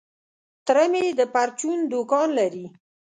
تره مي د پرچون دوکان لري .